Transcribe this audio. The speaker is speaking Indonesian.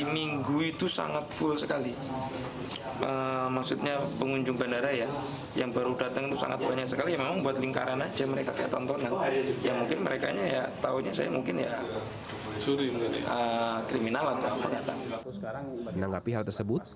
menanggapi hal tersebut